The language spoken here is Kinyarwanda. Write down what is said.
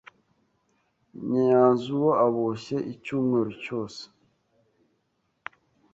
Nyazuba aboshye icyumweru cyose.